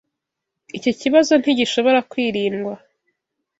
Icyo kibazo ntigishobora kwirindwa.